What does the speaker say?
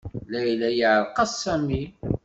Layla yeɛreq-as Sami.